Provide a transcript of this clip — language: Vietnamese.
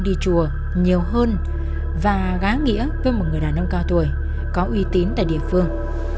đi chùa nhiều hơn và gá nghĩa với một người đàn ông cao tuổi có uy tín tại địa phương